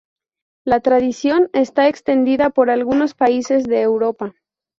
La tradición está extendida por algunos países de Europa.